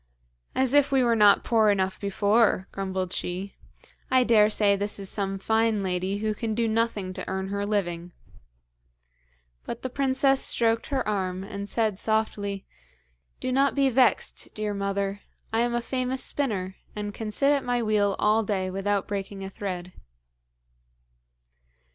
'As if we were not poor enough before,' grumbled she. 'I dare say this is some fine lady who can do nothing to earn her living.' But the princess stroked her arm, and said softly: 'Do not be vexed, dear mother; I am a famous spinner, and can sit at my wheel all day without breaking a thread.'